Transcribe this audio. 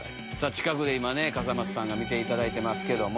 近くで今笠松さん見ていただいてますけども。